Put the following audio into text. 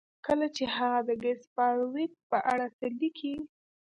کله چې هغه د ګس فارویک په اړه څه لیکي